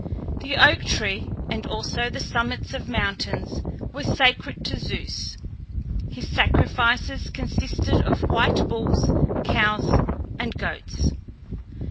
The oak tree, and also the summits of mountains, were sacred to Zeus. His sacrifices consisted of white bulls, cows, and goats.